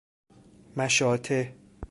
مشاطه